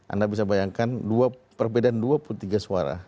anda bisa bayangkan perbedaan dua puluh tiga suara